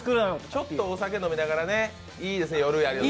ちょっとお酒飲みながらやるのにいいですね。